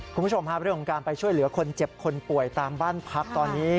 คุณผู้ชมครับเรื่องของการไปช่วยเหลือคนเจ็บคนป่วยตามบ้านพักตอนนี้